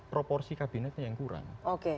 proporsi kabinetnya yang kurang